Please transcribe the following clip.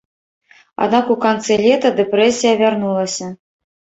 Аднак у канцы лета дэпрэсія вярнулася.